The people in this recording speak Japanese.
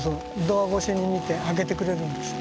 ドア越しに見て開けてくれるんです。